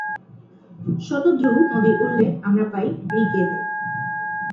শতদ্রু নদীর উল্লেখ আমরা পাই ঋগ্বেদে।